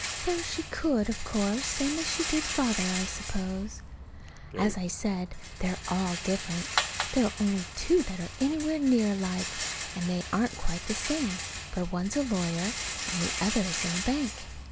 Though she could, of course, same as she did Father, I suppose. As I said, they're all different. There are only two that are anywhere near alike, and they aren't quite the same, for one's a lawyer and the other's in a bank.